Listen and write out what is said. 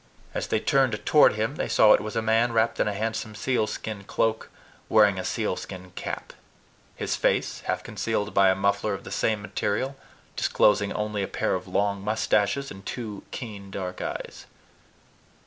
As they turned toward him, they saw it was a man wrapped in a handsome sealskin cloak, wearing a sealskin cap; his face, half concealed by a muffler of the same material, disclosing only a pair of long mustaches, and two keen dark eyes.